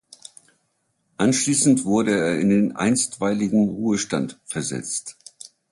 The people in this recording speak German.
Anschließend wurde er in den einstweiligen Ruhestand versetzt.